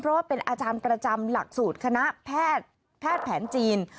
เพราะว่าเป็นอาจารย์ประจำหลักสูตรคณะแพทย์แผนจีน